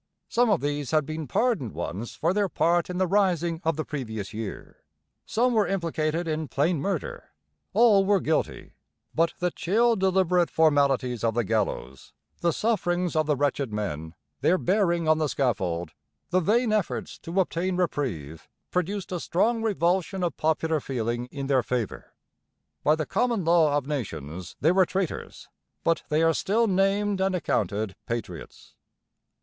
Some of these had been pardoned once for their part in the rising of the previous year; some were implicated in plain murder; all were guilty; but the chill deliberate formalities of the gallows, the sufferings of the wretched men, their bearing on the scaffold, the vain efforts to obtain reprieve, produced a strong revulsion of popular feeling in their favour. By the common law of nations they were traitors; but they are still named and accounted 'patriots.'